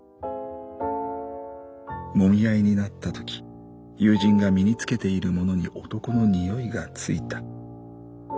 揉み合いになったとき友人が身に着けているものに男の匂いがついた。